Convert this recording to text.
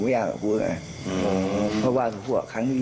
พี่ภาไปกี่ครั้ง